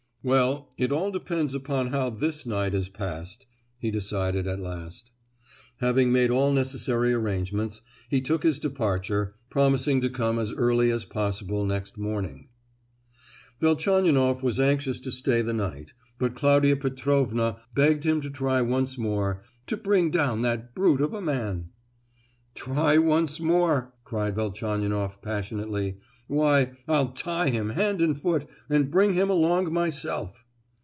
"Well, it all depends upon how this night is passed," he decided at last. Having made all necessary arrangements, he took his departure, promising to come as early as possible next morning. Velchaninoff was anxious to stay the night, but Claudia Petrovna begged him to try once more "to bring down that brute of a man." "Try once more!" cried Velchaninoff, passionately; "why, I'll tie him hand and foot and bring him along myself!"